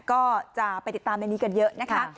ก็จะไปติดตามในนี้กันเยอะนะคะ